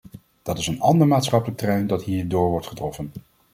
Dat is een ander maatschappelijk terrein dat hierdoor wordt getroffen.